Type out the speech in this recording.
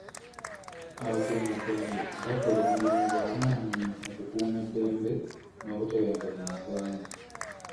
Abakuumaddembe bakola omulimu gw'amaanyi mu kukuuma eddembe n'obutebenkevu mu ggwanga.